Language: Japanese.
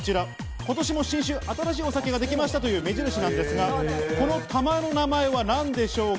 今年も新酒、新しいお酒ができましたという目印なんですが、この玉の名前は何でしょうか？